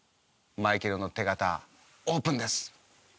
マイケルの手形オープンです。